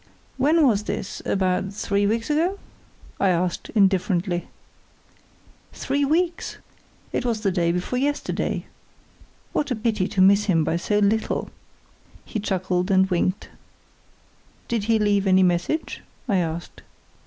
"When was this—about three weeks ago?" I asked, indifferently. "Three weeks? It was the day before yesterday. What a pity to miss him by so little!" He chuckled and winked. "Did he leave any message?" I asked.